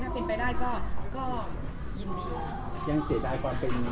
ยังเสียดายความเป็นวิกษิตของเพลงที่เราแต่งไว้อย่างนี้